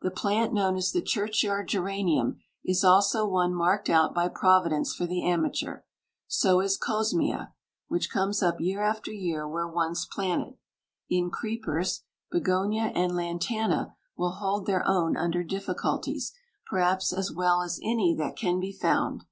The plant known as the churchyard geranium is also one marked out by Providence for the amateur; so is Cosmea, which comes up year after year where once planted. In creepers, bignonia and lantana will hold their own under difficulties perhaps as well as any that can be found.